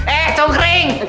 eh cowok kering